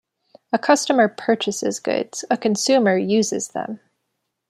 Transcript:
A customer "purchases" goods; a consumer "uses" them.